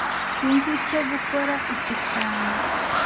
Sinzi icyo gukora iki cyane